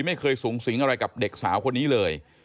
ไม่เคยสูงสิงอะไรกับเด็กสาวคนนี้เลย